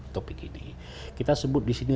topik ini kita sebut disini